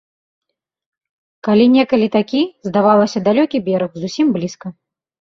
Калі некалі такі, здавалася, далёкі бераг, зусім блізка.